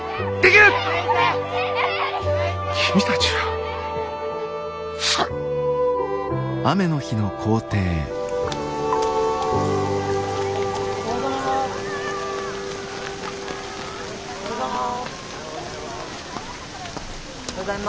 おはようございます。